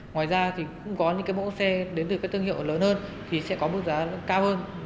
ngoài ra cũng có những mẫu xe đến từ thương hiệu lớn hơn thì sẽ có mức giá cao hơn